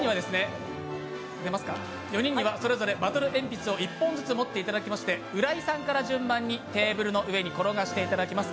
４人にはそれぞれバトルえんぴつを１本ずつ持っていただきまして、浦井さんから順番にテーブルの上に転がしていただきます。